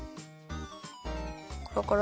コロコロ。